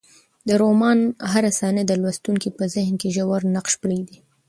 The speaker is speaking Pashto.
د رومان هره صحنه د لوستونکي په ذهن کې ژور نقش پرېږدي.